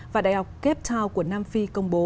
và đại học cape town của nam phi